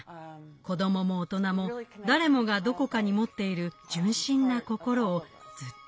子供も大人も誰もがどこかに持っている純真な心をずっと大切にした人なのです。